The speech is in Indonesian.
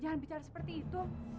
jangan bicara seperti itu